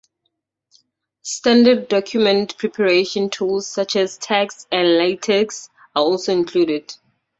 Standard document preparation tools such as TeX and LaTeX are also included.